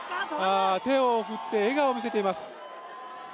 手を振って笑顔を見せています。